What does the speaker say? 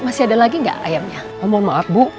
masih ada lagi gak ayamnya oh mohon maaf bu